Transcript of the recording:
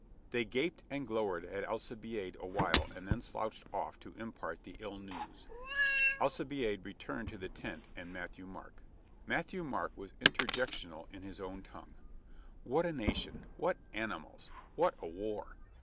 They gaped and glowered at Alcibiade a while and then slouched off to impart the ill news. Alci biade returned to the tent and Matthieu Marc. Mat thieu Marc was interjectional in his own tongue. "What a nation ! What animals ! What a war